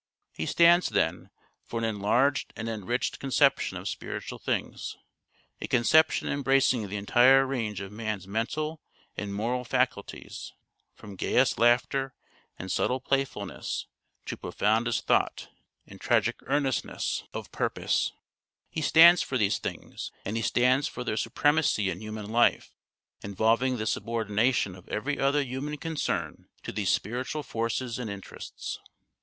He stands, then, for an enlarged and enriched conception of spiritual things : a conception em bracing the entire range of man's mental and moral faculties, from gayest laughter and subtle playfulness to profoundest thought and tragic earnestness of CONCLUSION 501 purpose. He stands for these things, and he stands for their supremacy in human life, involving the subordination of every other human concern to these spiritual forces and interests.